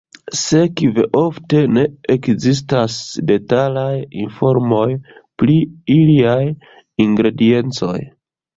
Sekve ofte ne ekzistas detalaj informoj pri iliaj ingrediencoj.